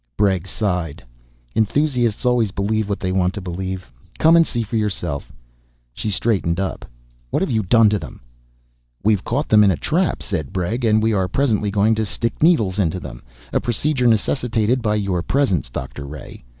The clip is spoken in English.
Bregg sighed. "Enthusiasts always believe what they want to believe. Come and see for yourself." She straightened up. "What have you done to them?" "We've caught them in a trap," said Bregg, "and we are presently going to stick needles into them a procedure necessitated by your presence, Doctor Ray.